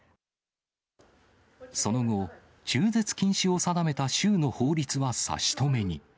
その後、中絶禁止を定めた州の法律は差し止めに。